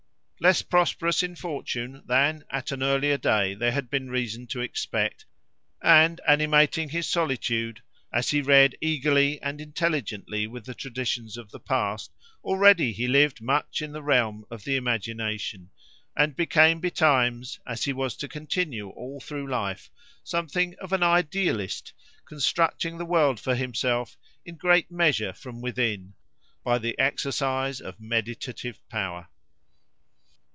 Less prosperous in fortune than at an earlier day there had been reason to expect, and animating his solitude, as he read eagerly and intelligently, with the traditions of the past, already he lived much in the realm of the imagination, and became betimes, as he was to continue all through life, something of an idealist, constructing the world for himself in great measure from within, by the exercise of meditative power.